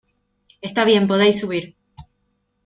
Está bien, podéis subir.